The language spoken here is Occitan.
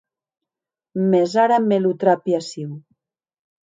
Mès ara me lo trapi aciu.